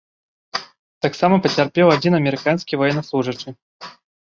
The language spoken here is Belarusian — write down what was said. Таксама пацярпеў адзін амерыканскі ваеннаслужачы.